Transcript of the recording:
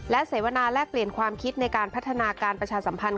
และเสวนาแลกเปลี่ยนความคิดในการพัฒนาการประชาสัมพันธ์